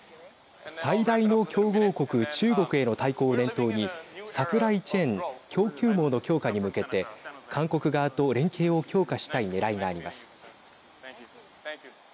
最大の競合国、中国への対抗を念頭にサプライチェーン＝供給網の強化に向けて韓国側と連携を強化したいねらいがあります。